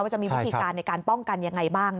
จะมีวิธีการในการป้องกันยังไงบ้าง